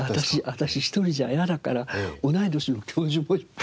私一人じゃ嫌だから同い年の教授もいっぱい。